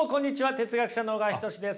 哲学者の小川仁志です。